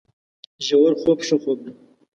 ژورخوب ښه خوب دی